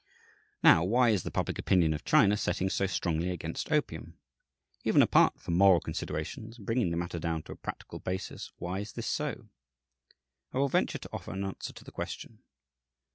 Now, why is the public opinion of China setting so strongly against opium? Even apart from moral considerations, bringing the matter down to a "practical" basis, why is this so? I will venture to offer an answer to the question.